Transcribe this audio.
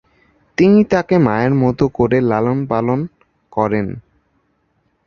তিনি তাকে মায়ের মত করে লালনপালন করেন।